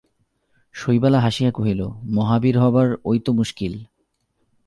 শৈলবালা হাসিয়া কহিল, মহাবীর হবার ঐ তো মুশকিল।